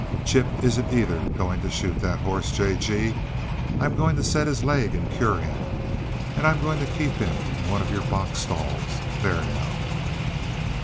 Chip isn't either going to shoot that horse, J. G. I'm going to set his leg and cure him and I'm going to keep him in one of your box stalls. There, now!"